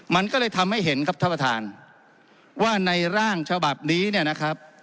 มันก็เลยทำให้เห็นครับท่านประธานว่าในร่างฉบับนี้เนี่ยนะครับ